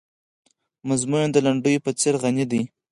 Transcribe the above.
مضمون یې د لنډیو په څېر غني دی.